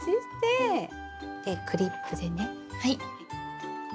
でクリップでねはい。